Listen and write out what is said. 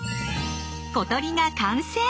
小鳥が完成！